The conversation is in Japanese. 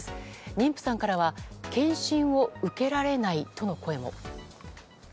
妊婦さんからは健診を受けられないとの声も。